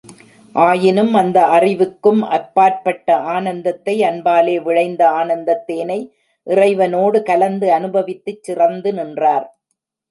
ஆயினும், அந்த அறிவுக்கும் அப்பாற்பட்ட ஆனந்தத்தை, அன்பாலே விளைந்த ஆனந்தத் தேனை, இறைவனோடு கலந்து அநுபவித்துச் சிறந்து நின்றார்.